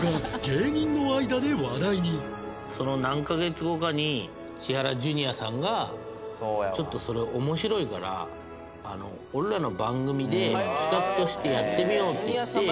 その何カ月後かに千原ジュニアさんが「ちょっとそれ面白いから俺らの番組で企画としてやってみよう」って言って。